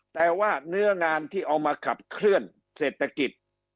แต่ว่าเนื้องานที่เอามาขับเคลื่อนเศรษฐกิจ